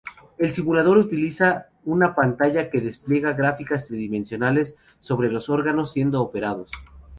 El simulador utiliza una pantalla que despliega gráficas tridimensionales sobre los órganos siendo operados.